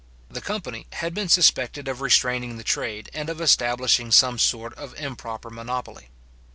The company had been suspected of restraining the trade and of establishing some sort of improper monopoly.